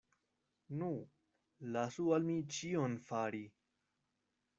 Nu, lasu al mi ĉion fari!